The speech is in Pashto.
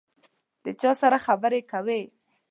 د چا سره خبري کوې ؟